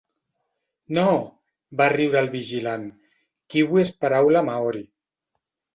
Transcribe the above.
Nooo! —va riure el vigilant— Kiwi és paraula maori.